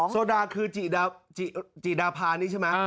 โซดาคือจิดาพานี่ใช่ไหม